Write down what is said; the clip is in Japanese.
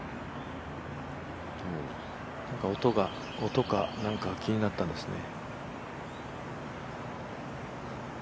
音か何かが気になったんですね。